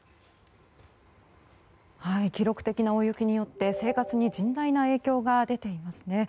記録的な大雪によって生活に甚大な影響が出ていますね。